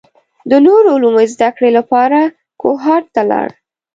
د نورو علومو زده کړې لپاره کوهاټ ته لاړ.